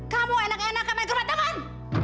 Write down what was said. kamu enak enak akan main kerumah teman